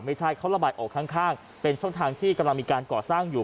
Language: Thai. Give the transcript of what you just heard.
ไม่ใช่เขาระบายออกข้างเป็นช่องทางที่กำลังมีการก่อสร้างอยู่